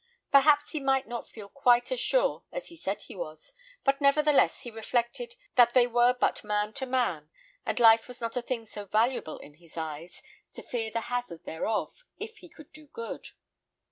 Perhaps he might not feel quite as sure as he said he was; but, nevertheless, he reflected that they were but man to man, and life was not a thing so valuable in his eyes, to fear the hazard thereof, if he could do good.